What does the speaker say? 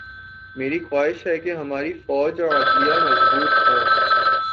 میری خواہش ہے کہ ہماری فوج اور عدلیہ مضبوط ہوں۔